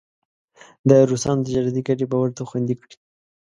د روسانو تجارتي ګټې به ورته خوندي کړي.